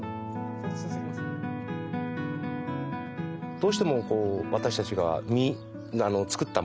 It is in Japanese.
どうしてもこう私たちが作ったものですね。